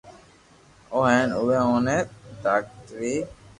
تو ھين اووي اوني ڌاڪٽري